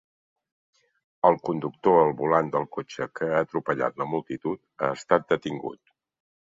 El conductor al volant del cotxe que ha atropellat la multitud ha estat detingut.